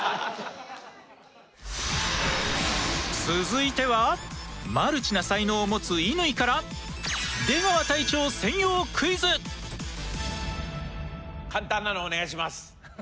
続いてはマルチな才能を持つ乾から簡単なのお願いします。